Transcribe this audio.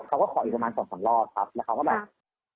เขาก็ขออีกประมาณ๒๓รอบครับแล้วเขาก็แบบ